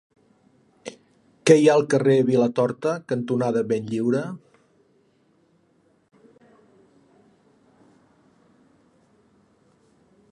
Què hi ha al carrer Vilatorta cantonada Benlliure?